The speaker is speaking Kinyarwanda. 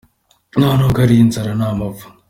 Nta nubwo ari inzara, ni amapfa.